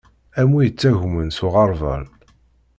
Am wi ittagmen s uɣerbal.